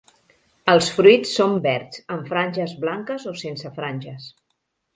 Els fruits són verds amb franges blanques o sense franges.